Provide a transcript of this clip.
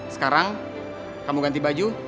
sekarang kamu ganti baju